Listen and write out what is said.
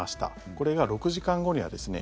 これが６時間後にはですね